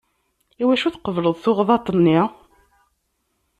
Iwacu tqebleḍ tuɣdaṭ-nni?